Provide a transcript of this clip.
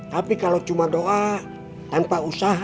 tapi kalau cuma doa tanpa usaha